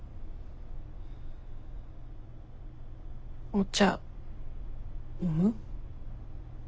お茶飲む？